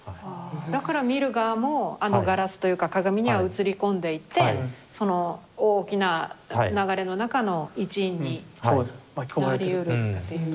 だから見る側もあのガラスというか鏡には映り込んでいてその大きな流れの中の一員になりうるっていう。